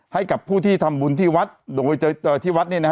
ให้กับผู้ที่ทำบุญที่วัดโดยที่วัดเนี่ยนะฮะ